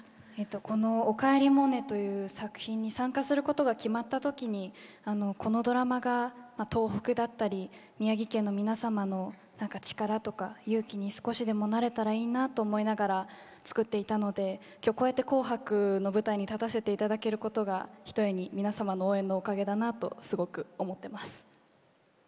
この「おかえりモネ」という作品に参加することが決まったときにこのドラマが東北だったり宮城県の皆様の力とか、勇気に少しでもなれたらいいなと思いながら作っていたので今日こうやって紅白の舞台に立たせていただけることがひとえに皆様の応援のおかげだなとすごく思っています。